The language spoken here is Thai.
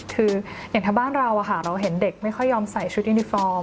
คืออย่างถ้าบ้านเราเราเห็นเด็กไม่ค่อยยอมใส่ชุดยูนิฟอร์ม